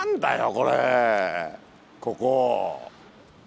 これここ。